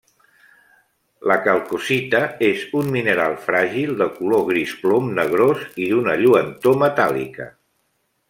La calcocita és un mineral fràgil de color gris plom negrós i d'una lluentor metàl·lica.